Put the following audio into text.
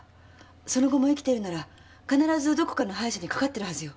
その後も生きてるなら必ずどこかの歯医者にかかってるはずよ。